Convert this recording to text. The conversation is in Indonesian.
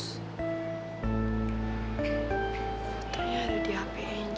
foto yang ada di hp angel